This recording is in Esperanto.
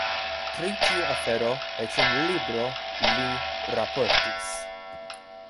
Pri tiu afero eĉ en libro li raportis.